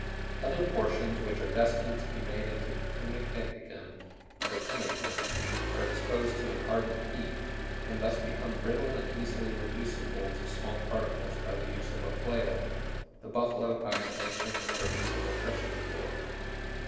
] "Other portions which are destined to be made into pimikehigan, or pemmican, are exposed to an ardent heat, and thus become brittle and easily reducible to small particles by the use of a flail, the buffalo hide answering the purpose of a threshing floor.